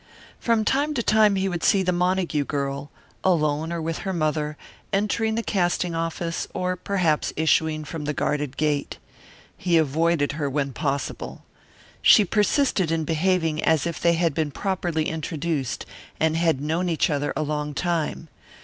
From time to time he would see the Montague girl, alone or with her mother, entering the casting office or perhaps issuing from the guarded gate. He avoided her when possible. She persisted in behaving as if they had been properly introduced and had known each other a long time.